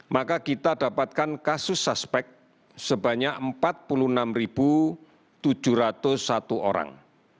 maka kita dapatkan kasus suspek sebanyak empat puluh enam tujuh ratus satu orang